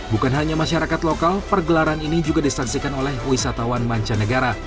bukan hanya masyarakat lokal pergelaran ini juga disaksikan oleh wisatawan mancanegara